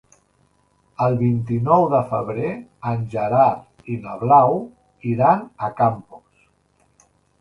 El vint-i-nou de febrer en Gerard i na Blau iran a Campos.